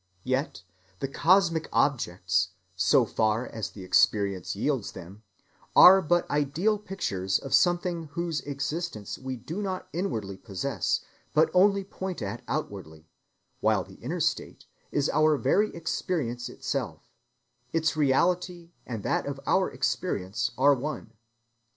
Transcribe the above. Yet the cosmic objects, so far as the experience yields them, are but ideal pictures of something whose existence we do not inwardly possess but only point at outwardly, while the inner state is our very experience itself; its reality and that of our experience are one.